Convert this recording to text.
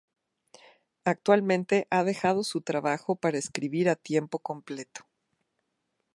Actualmente ha dejado su trabajo para escribir a tiempo completo.